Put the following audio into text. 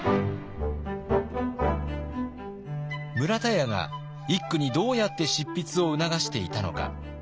村田屋が一九にどうやって執筆を促していたのか。